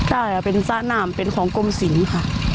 ใช่ค่ะเป็นสระนามเป็นของกลมสิงค่ะ